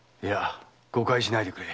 誤解しないでくれ。